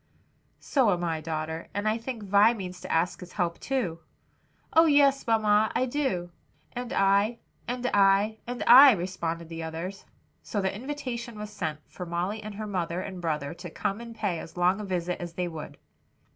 "So am I, daughter; and I think Vi means to ask his help too?" "Oh, yes, mamma, I do!" "And I," "and I," "and I," responded the others. So the invitation was sent, for Molly and her mother and brother to come and pay as long a visit as they would.